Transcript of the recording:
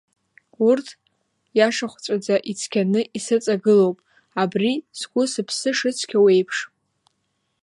Урҭ иашахәҵәаӡа, ицқьаны исыҵагылоуп, абри сгәы-сыԥсы шыцқьоу еиԥш.